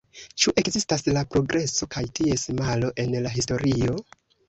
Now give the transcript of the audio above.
Ĉu ekzistas la progreso kaj ties malo en la historio?